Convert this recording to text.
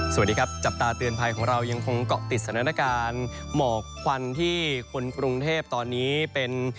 สวัสดีครับจับตาเตือนภัยของเรายังคงเกาะติดสถานการณ์หมอกควันที่คนกรุงเทพตอนนี้เป็น